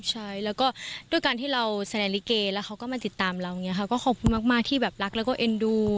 ใช่แล้วก็ด้วยการที่เราแสดงลิเกแล้วเขาก็มาติดตามเราอย่างนี้ค่ะก็ขอบคุณมากที่แบบรักแล้วก็เอ็นดู